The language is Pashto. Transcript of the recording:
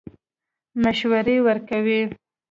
مشورې ورکولې.